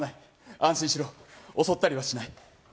安心しろ、襲ったりはしない。